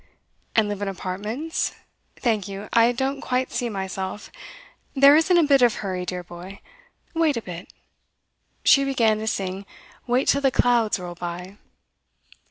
'And live in apartments? Thank you; I don't quite see myself. There isn't a bit of hurry, dear boy. Wait a bit.' She began to sing 'Wait till the clouds roll by.